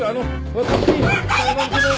私裁判所の。